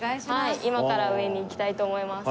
今から上に行きたいと思います。